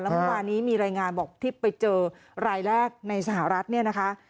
เมื่อวานนี้มีรายงานบอกที่ไปเจอรายแรกในสหรัฐเนี่ยนะคะ